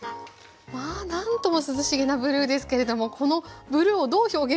まあ何とも涼しげなブルーですけれどもこのブルーをどう表現するするのかなと思いました。